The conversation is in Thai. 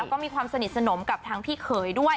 ก็มีความสนิทสนมกับทางพี่เขยด้วย